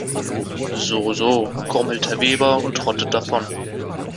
So so, grummelt Herr Weber und trottet davon.